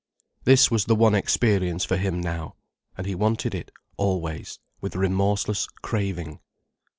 This was the one experience for him now. And he wanted it, always, with remorseless craving.